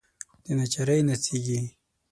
دناچارۍ نڅیږې